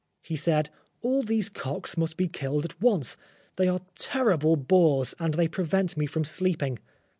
He said, " All these cocks must be killed at once. They are terrible bores, and they prevent me from sleeping."